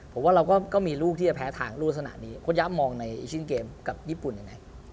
ผมว่าเราก็มีลูกที่จะแพ้ทางลวดสนานี้โคลยะมองอีชินเกมกับญี่ปุ่นไง